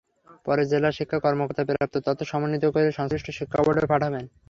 পরে জেলা শিক্ষা কর্মকর্তা প্রাপ্ত তথ্য সমন্বিত করে সংশ্লিষ্ট শিক্ষা বোর্ডে পাঠাবেন।